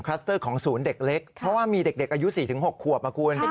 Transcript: เตอร์ของศูนย์เด็กเล็กเพราะว่ามีเด็กอายุ๔๖ขวบนะคุณ